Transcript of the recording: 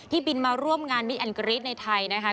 ที่บินมาร่วมงานมิสแอนด์เกรี๊ดในไทยนะคะ